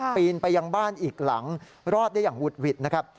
ปีนไปยังบ้านอีกหลังรอดได้อย่างหุดหวิดนะครับ